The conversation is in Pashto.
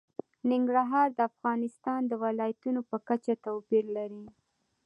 ننګرهار د افغانستان د ولایاتو په کچه توپیر لري.